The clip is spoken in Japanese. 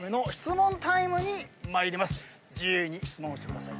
自由に質問してください。